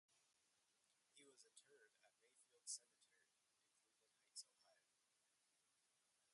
He was interred at Mayfield Cemetery in Cleveland Heights, Ohio.